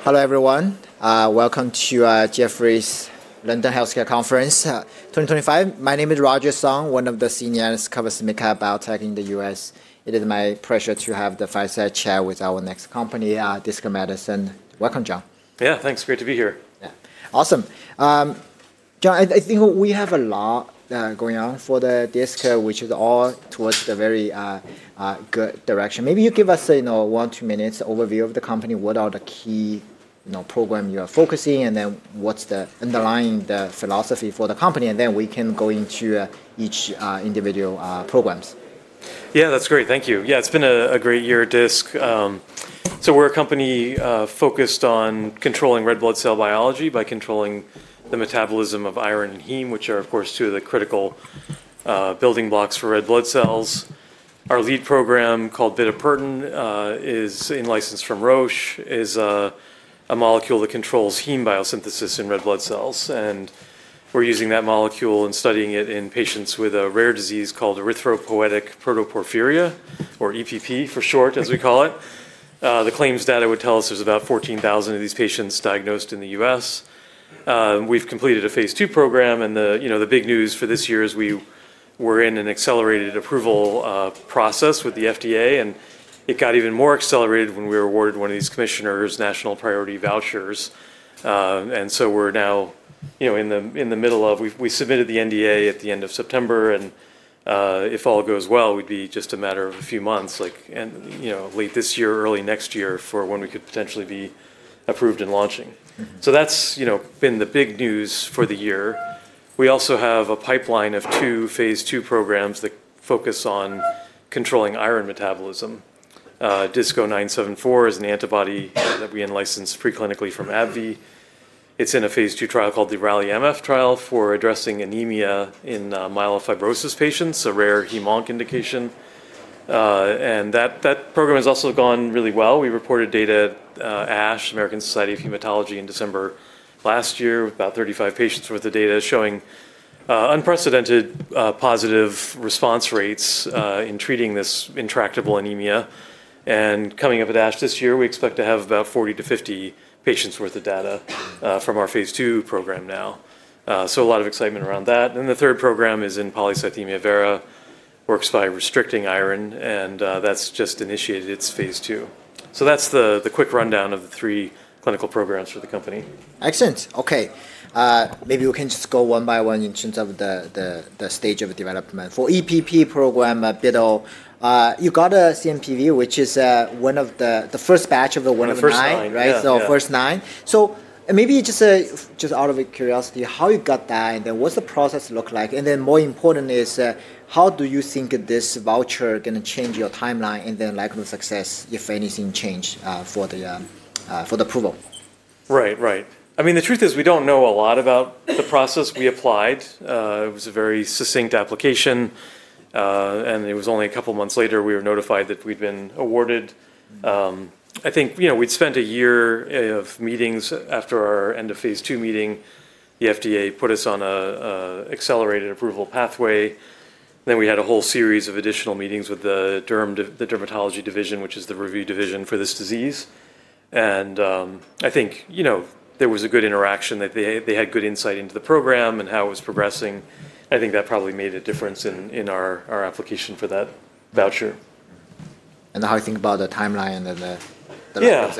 Hello, everyone. Welcome to Jefferies London Healthcare Conference 2025. My name is Roger Song, one of the senior analysts covering medical biotech in the U.S. It is my pleasure to have the five-star chair with our next company, Disc Medicine. Welcome, John. Yeah, thanks. Great to be here. Yeah. Awesome. John, I think we have a lot going on for Disc, which is all towards the very good direction. Maybe you give us one or two minutes overview of the company. What are the key programs you are focusing on, and then what's the underlying philosophy for the company? Then we can go into each individual program. Yeah, that's great. Thank you. Yeah, it's been a great year, Disc. We're a company focused on controlling red blood cell biology by controlling the metabolism of iron and heme, which are, of course, two of the critical building blocks for red blood cells. Our lead program called bitopertin is licensed from Roche, is a molecule that controls heme biosynthesis in red blood cells. We're using that molecule and studying it in patients with a rare disease called erythropoietic protoporphyria, or EPP for short, as we call it. The claims data would tell us there's about 14,000 of these patients diagnosed in the US. We've completed a phase two program. The big news for this year is we were in an accelerated approval process with the FDA. It got even more accelerated when we were awarded one of these commissioners' national priority vouchers. We're now in the middle of we submitted the NDA at the end of September. If all goes well, it would be just a matter of a few months, like late this year, early next year, for when we could potentially be approved and launching. That's been the big news for the year. We also have a pipeline of two phase two programs that focus on controlling iron metabolism. DISC-0974 is an antibody that we licensed preclinically from AbbVie. It's in a phase two trial called the RALI-MF trial for addressing anemia in myelofibrosis patients, a rare hem-onc indication. That program has also gone really well. We reported data to ASH, American Society of Hematology, in December last year, about 35 patients' worth of data showing unprecedented positive response rates in treating this intractable anemia. Coming up with ASH this year, we expect to have about 40-50 patients' worth of data from our phase two program now. A lot of excitement around that. The third program is in polycythemia vera, works by restricting iron. That just initiated its phase two. That is the quick rundown of the three clinical programs for the company. Excellent. Okay, maybe we can just go one by one in terms of the stage of development. For the EPP program, bitopertin, you got a CMPV, which is one of the first batch of the one. The first nine. Right, so first nine. Maybe just out of curiosity, how you got that, and then what's the process look like? More importantly, how do you think this voucher is going to change your timeline and then likelihood of success, if anything changed, for the approval? Right, right. I mean, the truth is we don't know a lot about the process. We applied. It was a very succinct application. It was only a couple of months later we were notified that we'd been awarded. I think we'd spent a year of meetings after our end of phase two meeting. The FDA put us on an accelerated approval pathway. We had a whole series of additional meetings with the dermatology division, which is the review division for this disease. I think there was a good interaction. They had good insight into the program and how it was progressing. I think that probably made a difference in our application for that voucher. How do you think about the timeline and the success? Yeah.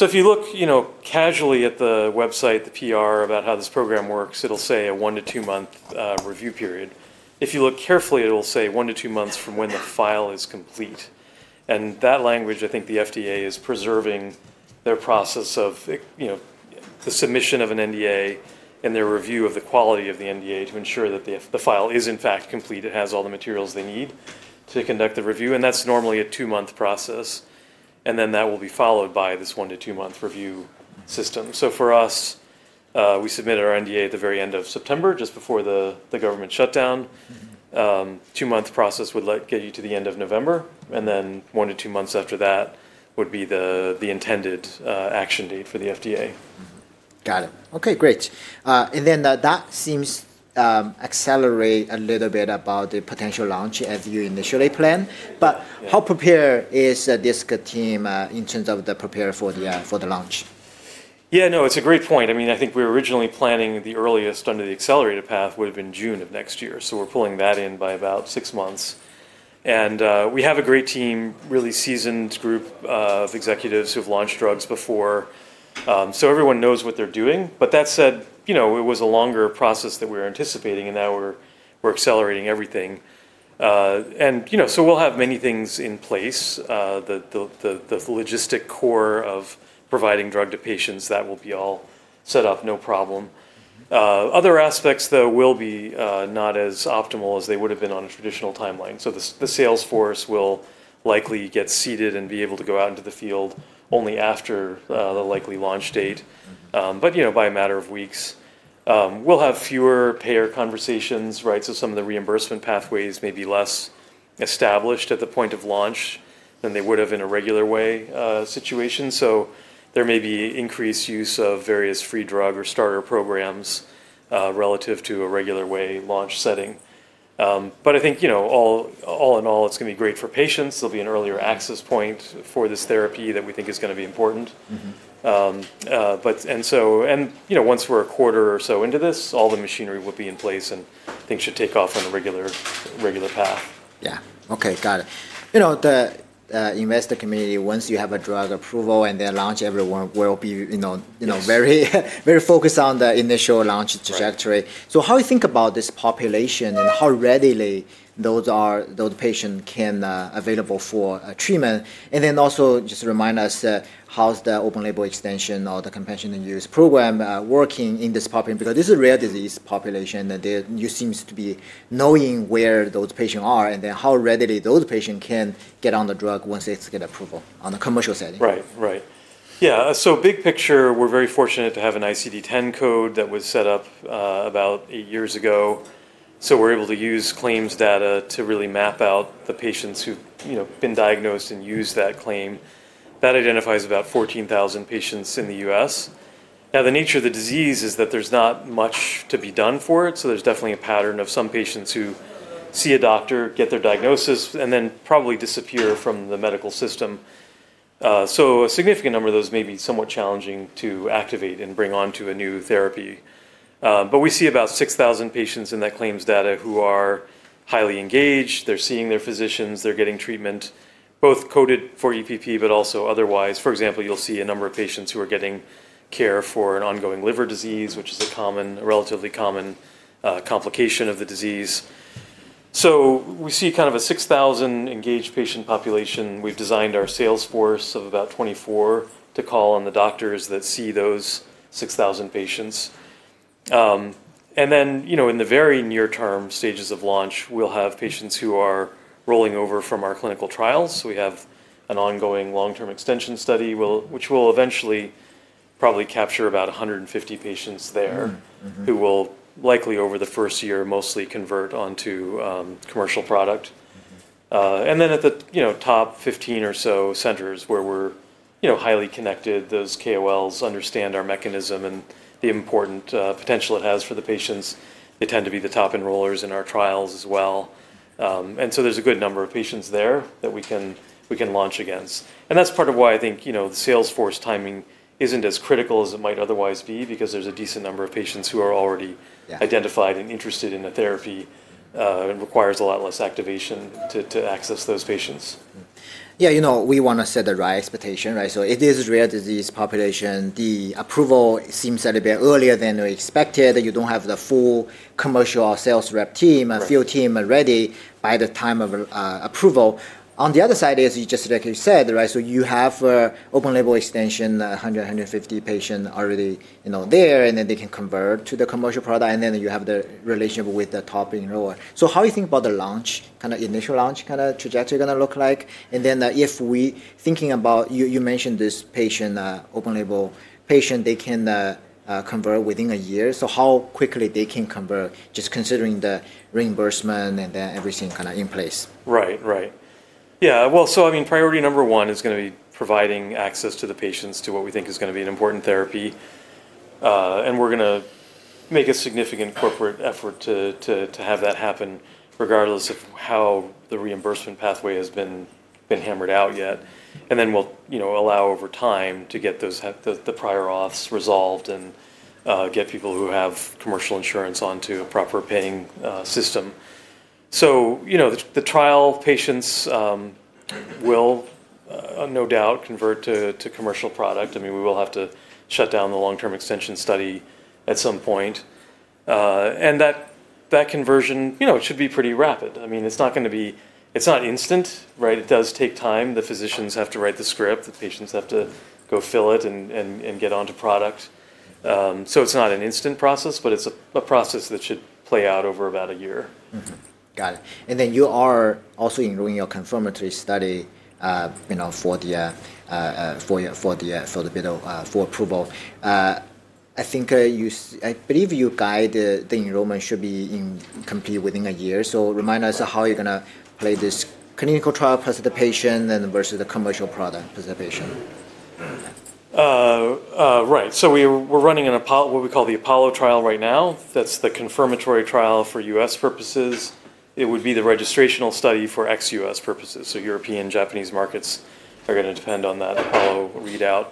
If you look casually at the website, the PR, about how this program works, it'll say a one to two-month review period. If you look carefully, it'll say one to two months from when the file is complete. That language, I think the FDA is preserving their process of the submission of an NDA and their review of the quality of the NDA to ensure that the file is, in fact, complete. It has all the materials they need to conduct the review. That's normally a two-month process. That will be followed by this one to two-month review system. For us, we submitted our NDA at the very end of September, just before the government shutdown. Two-month process would get you to the end of November. One to two months after that would be the intended action date for the FDA. Got it. Okay, great. That seems to accelerate a little bit about the potential launch as you initially planned. How prepared is the Disc team in terms of the prepared for the launch? Yeah, no, it's a great point. I mean, I think we were originally planning the earliest under the accelerated path would have been June of next year. We're pulling that in by about six months. We have a great team, really seasoned group of executives who have launched drugs before. Everyone knows what they're doing. That said, it was a longer process than we were anticipating. Now we're accelerating everything. We'll have many things in place. The logistic core of providing drug to patients, that will be all set up, no problem. Other aspects, though, will be not as optimal as they would have been on a traditional timeline. The sales force will likely get seated and be able to go out into the field only after the likely launch date, but by a matter of weeks. We'll have fewer payer conversations, right? Some of the reimbursement pathways may be less established at the point of launch than they would have in a regular way situation. There may be increased use of various free drug or starter programs relative to a regular way launch setting. I think all in all, it's going to be great for patients. There'll be an earlier access point for this therapy that we think is going to be important. Once we're a quarter or so into this, all the machinery will be in place. Things should take off on a regular path. Yeah. Okay, got it. The investor community, once you have a drug approval and then launch, everyone will be very focused on the initial launch trajectory. How do you think about this population and how readily those patients can be available for treatment? Also just remind us, how's the open label extension or the compensation and use program working in this population? This is a rare disease population. You seem to be knowing where those patients are and how readily those patients can get on the drug once they get approval on the commercial setting. Right, right. Yeah, so big picture, we're very fortunate to have an ICD-10 code that was set up about eight years ago. We're able to use claims data to really map out the patients who've been diagnosed and use that claim. That identifies about 14,000 patients in the US. Now, the nature of the disease is that there's not much to be done for it. There's definitely a pattern of some patients who see a doctor, get their diagnosis, and then probably disappear from the medical system. A significant number of those may be somewhat challenging to activate and bring onto a new therapy. We see about 6,000 patients in that claims data who are highly engaged. They're seeing their physicians. They're getting treatment, both coded for EPP but also otherwise. For example, you'll see a number of patients who are getting care for an ongoing liver disease, which is a relatively common complication of the disease. We see kind of a 6,000 engaged patient population. We've designed our sales force of about 24 to call on the doctors that see those 6,000 patients. In the very near-term stages of launch, we'll have patients who are rolling over from our clinical trials. We have an ongoing long-term extension study, which will eventually probably capture about 150 patients there who will likely, over the first year, mostly convert onto commercial product. At the top 15 or so centers where we're highly connected, those KOLs understand our mechanism and the important potential it has for the patients. They tend to be the top enrollers in our trials as well. There is a good number of patients there that we can launch against. That is part of why I think the sales force timing is not as critical as it might otherwise be, because there is a decent number of patients who are already identified and interested in a therapy and it requires a lot less activation to access those patients. Yeah, you know we want to set the right expectation, right? It is a rare disease population. The approval seems a little bit earlier than we expected. You do not have the full commercial sales rep team, field team ready by the time of approval. On the other side is, just like you said, right? You have open label extension, 100-150 patients already there. They can convert to the commercial product. You have the relationship with the top enrollers. How do you think about the launch, kind of initial launch kind of trajectory going to look like? If we are thinking about, you mentioned this open label patient, they can convert within a year. How quickly they can convert, just considering the reimbursement and everything kind of in place? Right, right. Yeah, I mean, priority number one is going to be providing access to the patients to what we think is going to be an important therapy. We're going to make a significant corporate effort to have that happen, regardless of how the reimbursement pathway has been hammered out yet. We will allow over time to get the prior auths resolved and get people who have commercial insurance onto a proper paying system. The trial patients will, no doubt, convert to commercial product. I mean, we will have to shut down the long-term extension study at some point. That conversion should be pretty rapid. I mean, it's not instant, right? It does take time. The physicians have to write the script. The patients have to go fill it and get onto product. It is not an instant process, but it is a process that should play out over about a year. Got it. You are also enrolling your confirmatory study for the bitopertin for approval. I believe you guide the enrollment should be complete within a year. Remind us how you're going to play this clinical trial participation versus the commercial product participation. Right. We're running in what we call the Apollo trial right now. That's the confirmatory trial for U.S. purposes. It would be the registrational study for ex-U.S. purposes. European and Japanese markets are going to depend on that Apollo readout.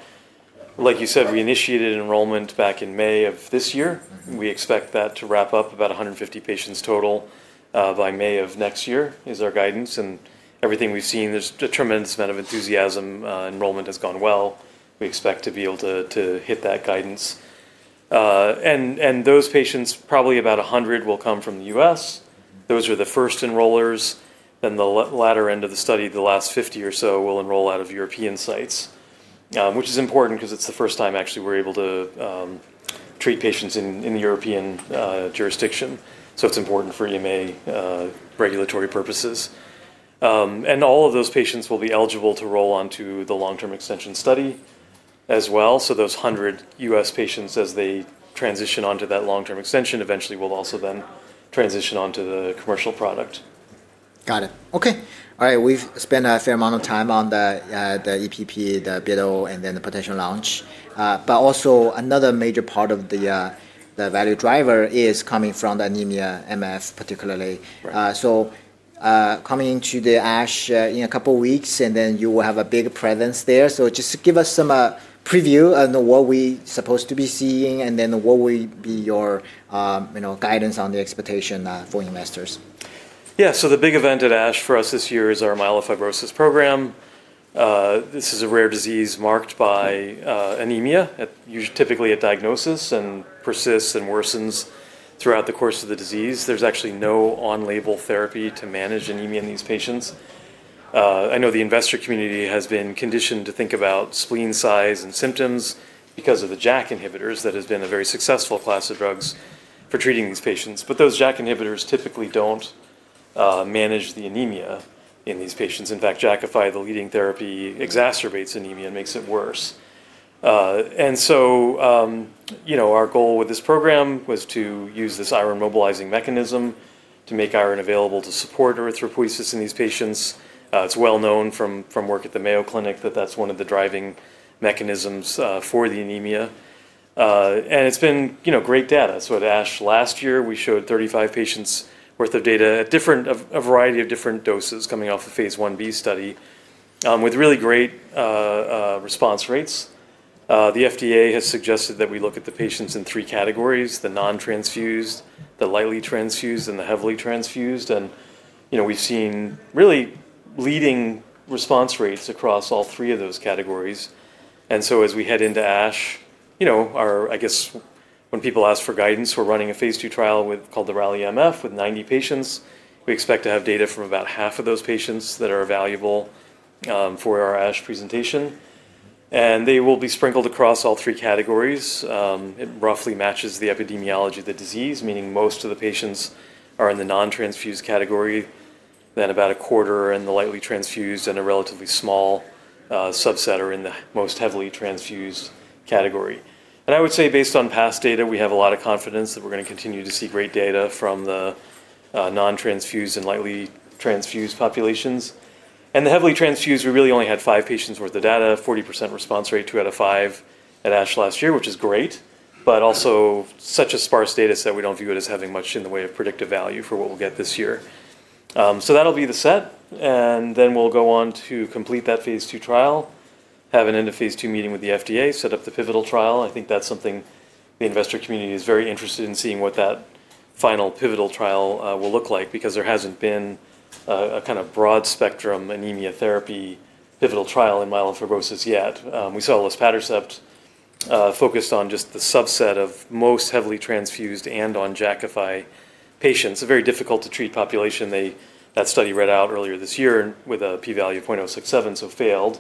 Like you said, we initiated enrollment back in May of this year. We expect that to wrap up about 150 patients total by May of next year is our guidance. Everything we've seen, there's a tremendous amount of enthusiasm. Enrollment has gone well. We expect to be able to hit that guidance. Those patients, probably about 100, will come from the U.S. Those are the first enrollers. The latter end of the study, the last 50 or so, will enroll out of European sites, which is important because it's the first time, actually, we're able to treat patients in European jurisdiction. It is important for EMA regulatory purposes. All of those patients will be eligible to roll onto the long-term extension study as well. Those 100 US patients, as they transition onto that long-term extension, eventually will also then transition onto the commercial product. Got it. Okay, all right. We've spent a fair amount of time on the EPP, the Biddle, and then the potential launch. Also, another major part of the value driver is coming from the anemia, MF, particularly. Coming into the ASH in a couple of weeks, you will have a big presence there. Just give us some preview on what we're supposed to be seeing and what will be your guidance on the expectation for investors. Yeah, so the big event at ASH for us this year is our myelofibrosis program. This is a rare disease marked by anemia, typically at diagnosis, and persists and worsens throughout the course of the disease. There's actually no on-label therapy to manage anemia in these patients. I know the investor community has been conditioned to think about spleen size and symptoms because of the JAK inhibitors. That has been a very successful class of drugs for treating these patients. Those JAK inhibitors typically don't manage the anemia in these patients. In fact, Jakafi, the leading therapy, exacerbates anemia and makes it worse. Our goal with this program was to use this iron mobilizing mechanism to make iron available to support erythropoiesis in these patients. It's well known from work at the Mayo Clinic that that's one of the driving mechanisms for the anemia. It's been great data. At ASH last year, we showed 35 patients' worth of data at a variety of different doses coming off a phase 1B study with really great response rates. The FDA has suggested that we look at the patients in three categories: the non-transfused, the lightly transfused, and the heavily transfused. We've seen really leading response rates across all three of those categories. As we head into ASH, I guess when people ask for guidance, we're running a phase 2 trial called the RALI-MF with 90 patients. We expect to have data from about half of those patients that are valuable for our ASH presentation. They will be sprinkled across all three categories. It roughly matches the epidemiology of the disease, meaning most of the patients are in the non-transfused category. About a quarter are in the lightly transfused, and a relatively small subset are in the most heavily transfused category. I would say, based on past data, we have a lot of confidence that we're going to continue to see great data from the non-transfused and lightly transfused populations. The heavily transfused, we really only had five patients' worth of data, 40% response rate, 2 out of 5 at ASH last year, which is great. Also, such a sparse data set, we don't view it as having much in the way of predictive value for what we'll get this year. That'll be the set. We will go on to complete that phase 2 trial, have an end of phase 2 meeting with the FDA, set up the pivotal trial. I think that's something the investor community is very interested in seeing what that final pivotal trial will look like, because there hasn't been a kind of broad spectrum anemia therapy pivotal trial in myelofibrosis yet. We saw luspatercept focused on just the subset of most heavily transfused and on Jakafi patients, a very difficult to treat population. That study read out earlier this year with a p-value of 0.067, so failed.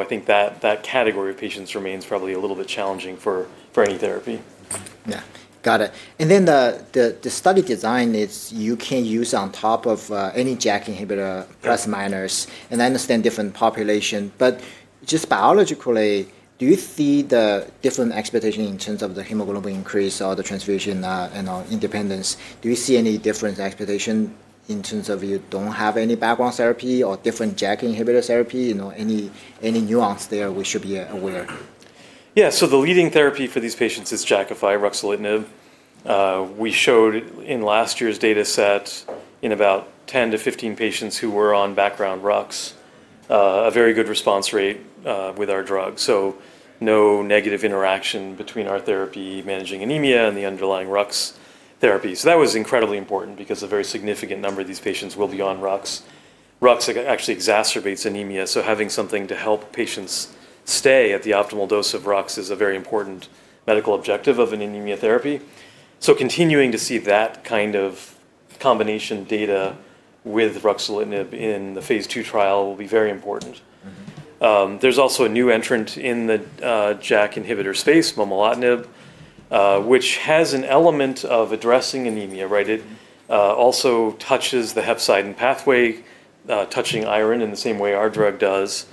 I think that category of patients remains probably a little bit challenging for any therapy. Yeah, got it. The study design is you can use on top of any JAK inhibitor plus minors and understand different populations. Just biologically, do you see the different expectation in terms of the hemoglobin increase or the transfusion independence? Do you see any different expectation in terms of you do not have any background therapy or different JAK inhibitor therapy? Any nuance there we should be aware? Yeah, so the leading therapy for these patients is Jakafi, ruxolitinib. We showed in last year's data set in about 10-15 patients who were on background rux a very good response rate with our drug. No negative interaction between our therapy managing anemia and the underlying rux therapy. That was incredibly important because a very significant number of these patients will be on rux. Rux actually exacerbates anemia. Having something to help patients stay at the optimal dose of rux is a very important medical objective of an anemia therapy. Continuing to see that kind of combination data with ruxolitinib in the phase 2 trial will be very important. There is also a new entrant in the JAK inhibitor space, momelotinib, which has an element of addressing anemia. It also touches the hepcidin pathway, touching iron in the same way our drug does.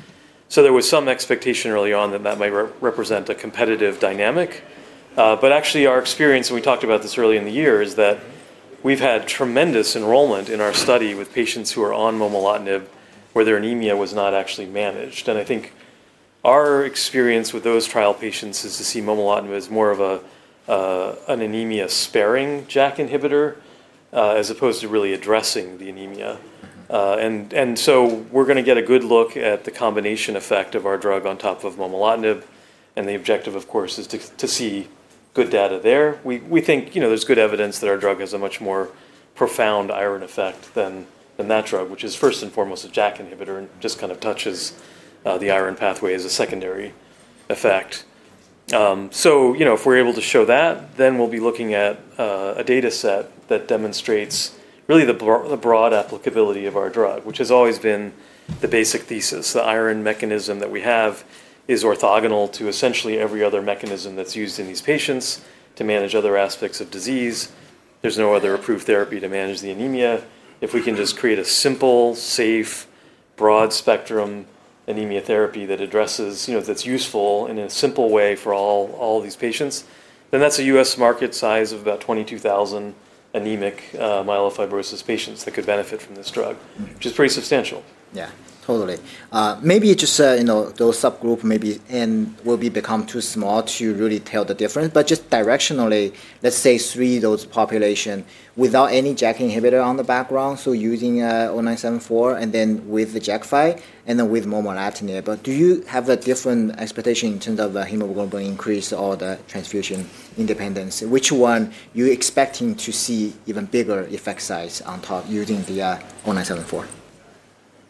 There was some expectation early on that that might represent a competitive dynamic. Actually, our experience, and we talked about this early in the year, is that we've had tremendous enrollment in our study with patients who are on momelotinib where their anemia was not actually managed. I think our experience with those trial patients is to see momelotinib as more of an anemia-sparing JAK inhibitor as opposed to really addressing the anemia. We are going to get a good look at the combination effect of our drug on top of momelotinib. The objective, of course, is to see good data there. We think there is good evidence that our drug has a much more profound iron effect than that drug, which is, first and foremost, a JAK inhibitor and just kind of touches the iron pathway as a secondary effect. If we're able to show that, then we'll be looking at a data set that demonstrates really the broad applicability of our drug, which has always been the basic thesis. The iron mechanism that we have is orthogonal to essentially every other mechanism that's used in these patients to manage other aspects of disease. There's no other approved therapy to manage the anemia. If we can just create a simple, safe, broad spectrum anemia therapy that's useful in a simple way for all these patients, then that's a US market size of about 22,000 anemic myelofibrosis patients that could benefit from this drug, which is pretty substantial. Yeah, totally. Maybe just those subgroups maybe will become too small to really tell the difference. Just directionally, let's say three of those populations without any JAK inhibitor on the background, so using 0974 and then with the Jakafi and then with momelotinib. Do you have a different expectation in terms of the hemoglobin increase or the transfusion independence? Which one are you expecting to see even bigger effect size on top using the 0974?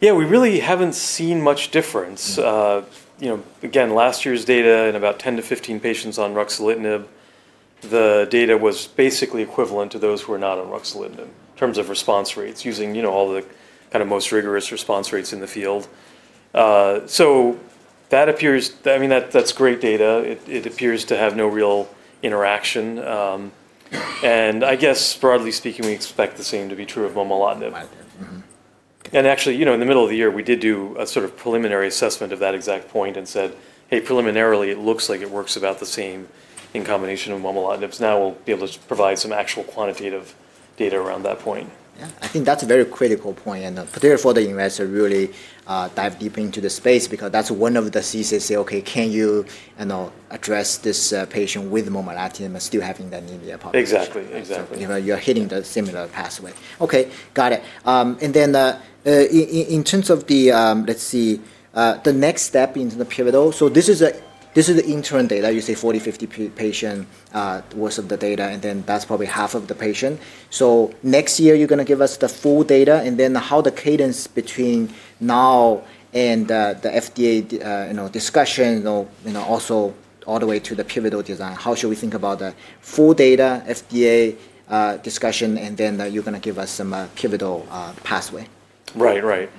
Yeah, we really haven't seen much difference. Again, last year's data in about 10-15 patients on ruxolitinib, the data was basically equivalent to those who were not on ruxolitinib in terms of response rates using all the kind of most rigorous response rates in the field. That appears—I mean, that's great data. It appears to have no real interaction. I guess, broadly speaking, we expect the same to be true of momelotinib. Actually, in the middle of the year, we did do a sort of preliminary assessment of that exact point and said, hey, preliminarily, it looks like it works about the same in combination with momelotinib. Now we'll be able to provide some actual quantitative data around that point. Yeah, I think that's a very critical point, and particularly for the investor to really dive deep into the space, because that's one of the theses to say, Okay, can you address this patient with momelotinib and still having the anemia problem? Exactly, exactly. You're hitting the similar pathway. Okay, got it. In terms of the, let's see, the next step in the pivotal, this is the interim data. You say 40, 50 patients' worth of the data, and that's probably half of the patient. Next year, you're going to give us the full data. How the cadence between now and the FDA discussion, also all the way to the pivotal design, how should we think about the full data, FDA discussion, and then you're going to give us some pivotal pathway? Right, right.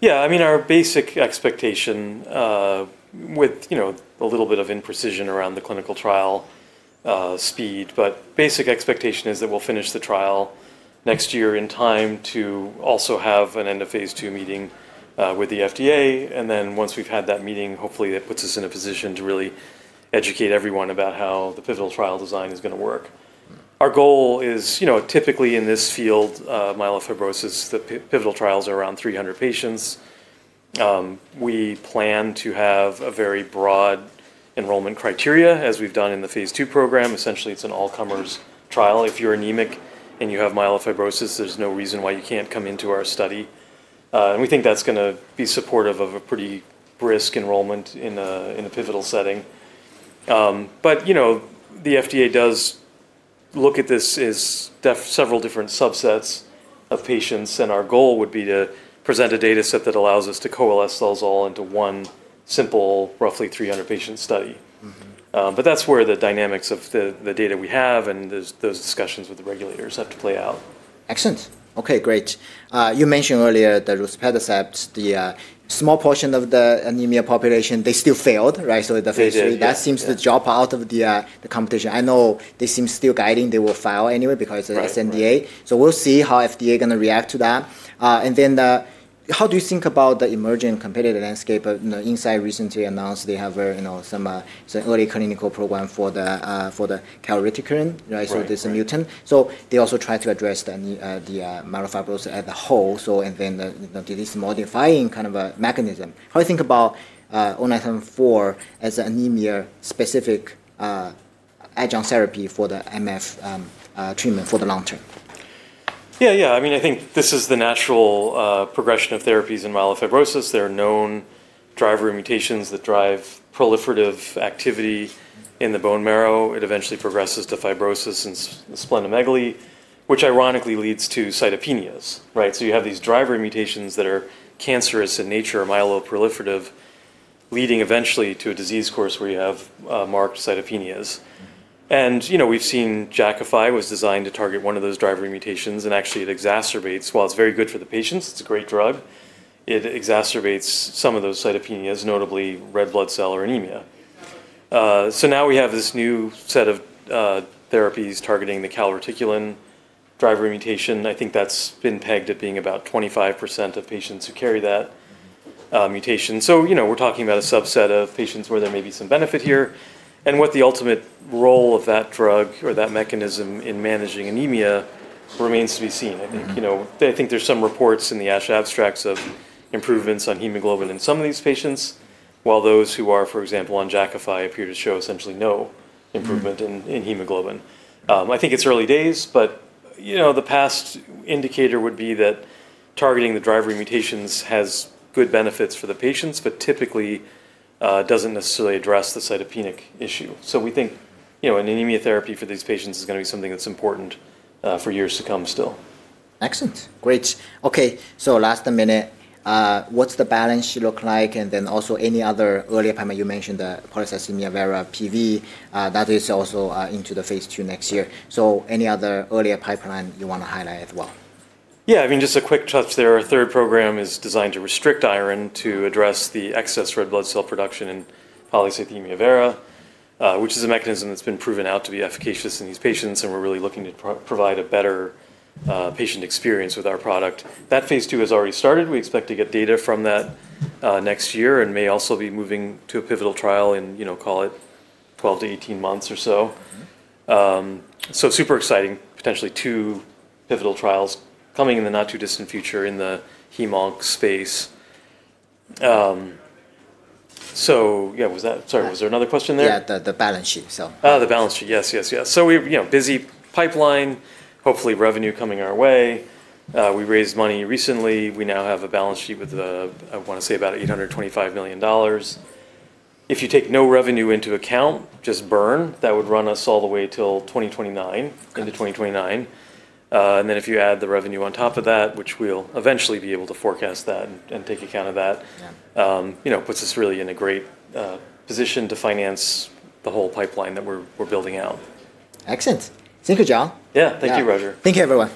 Yeah, I mean, our basic expectation with a little bit of imprecision around the clinical trial speed, but basic expectation is that we'll finish the trial next year in time to also have an end of phase 2 meeting with the FDA. Once we've had that meeting, hopefully, that puts us in a position to really educate everyone about how the pivotal trial design is going to work. Our goal is, typically in this field, myelofibrosis, the pivotal trials are around 300 patients. We plan to have a very broad enrollment criteria, as we've done in the phase 2 program. Essentially, it's an all-comers trial. If you're anemic and you have myelofibrosis, there's no reason why you can't come into our study. We think that's going to be supportive of a pretty brisk enrollment in a pivotal setting. The FDA does look at this as several different subsets of patients. Our goal would be to present a data set that allows us to coalesce those all into one simple, roughly 300-patient study. That is where the dynamics of the data we have and those discussions with the regulators have to play out. Excellent. Okay, great. You mentioned earlier that luspatercept, the small portion of the anemia population, they still failed, right? That seems to jump out of the competition. I know they seem still guiding they will fail anyway because of the SNDA. We'll see how FDA is going to react to that. How do you think about the emerging competitor landscape? Incyte recently announced they have some early clinical program for the calreticulin, this mutant. They also try to address the myelofibrosis as a whole. This modifying kind of mechanism. How do you think about 0974 as an anemia-specific adjunct therapy for the MF treatment for the long term? Yeah, yeah. I mean, I think this is the natural progression of therapies in myelofibrosis. There are known driver mutations that drive proliferative activity in the bone marrow. It eventually progresses to fibrosis and splenomegaly, which ironically leads to cytopenias. You have these driver mutations that are cancerous in nature, myeloproliferative, leading eventually to a disease course where you have marked cytopenias. We've seen Jakafi was designed to target one of those driver mutations. Actually, it exacerbates, while it's very good for the patients, it's a great drug, it exacerbates some of those cytopenias, notably red blood cell or anemia. Now we have this new set of therapies targeting the calreticulin driver mutation. I think that's been pegged at being about 25% of patients who carry that mutation. We're talking about a subset of patients where there may be some benefit here. What the ultimate role of that drug or that mechanism in managing anemia remains to be seen. I think there's some reports in the ASH abstracts of improvements on hemoglobin in some of these patients, while those who are, for example, on Jakafi appear to show essentially no improvement in hemoglobin. I think it's early days, but the past indicator would be that targeting the driver mutations has good benefits for the patients, but typically doesn't necessarily address the cytopenic issue. We think an anemia therapy for these patients is going to be something that's important for years to come still. Excellent. Great. Okay, last minute, what's the balance look like? Also, any other earlier pipeline? You mentioned the polycythemia vera, PV. That is also into the phase 2 next year. Any other earlier pipeline you want to highlight as well? Yeah, I mean, just a quick touch there. Our third program is designed to restrict iron to address the excess red blood cell production in polycythemia vera, which is a mechanism that's been proven out to be efficacious in these patients. We're really looking to provide a better patient experience with our product. That phase 2 has already started. We expect to get data from that next year and may also be moving to a pivotal trial in, call it, 12-18 months or so. Super exciting, potentially two pivotal trials coming in the not too distant future in the hem/onc space. Yeah, sorry, was there another question there? Yeah, the balance sheet, so. The balance sheet, yes, yes, yes. Busy pipeline, hopefully revenue coming our way. We raised money recently. We now have a balance sheet with, I want to say, about $825 million. If you take no revenue into account, just burn, that would run us all the way until 2029, into 2029. If you add the revenue on top of that, which we'll eventually be able to forecast that and take account of that, puts us really in a great position to finance the whole pipeline that we're building out. Excellent. Thank you, John. Yeah, thank you, Roger. Thank you very much.